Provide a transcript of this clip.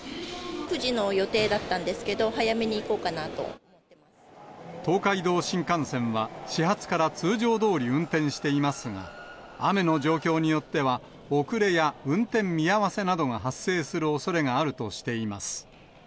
９時の予定だったんですけど、東海道新幹線は、始発から通常どおり運転していますが、雨の状況によっては、遅れや運転見合わせなどが発生するおそれがあるとしています。